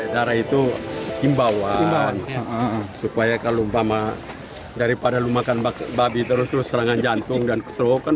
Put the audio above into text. dari itu imbauan supaya kalau daripada lu makan babi terus terus serangan jantung dan keserohokan